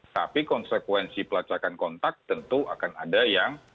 tapi konsekuensi pelacakan kontak tentu akan ada yang